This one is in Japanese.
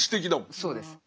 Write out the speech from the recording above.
そうです。